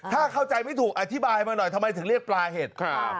ถ้าเข้าใจไม่ถูกอธิบายมาหน่อยทำไมถึงเรียกปลาเห็ด